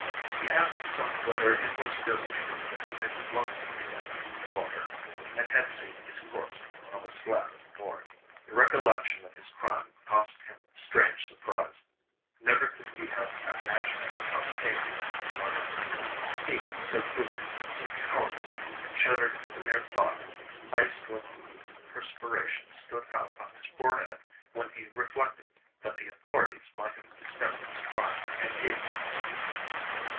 He asked himself whether it was really true that he had flung Camille into the water, and had seen his corpse on the slab at the Morgue. The recollection of his crime caused him strange surprise; never could he have imagined himself capable of murder. He so prudent, so cowardly, shuddered at the mere thought; ice like beads of perspiration stood out on his forehead when he reflected that the authorities might have discovered his crime and guillotined him.